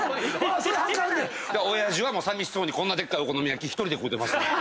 親父はさみしそうにでっかいお好み焼き１人で食うてました。